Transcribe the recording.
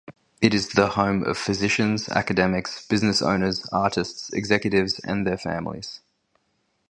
It is the home of physicians, academics, business owners, artists, executives and their families.